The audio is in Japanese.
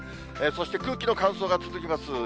そして空気の乾燥が続きます。